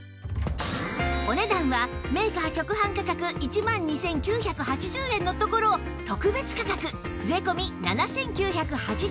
お値段はメーカー直販価格１万２９８０円のところ特別価格税込７９８０円